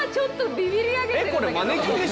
ビビり上げてる？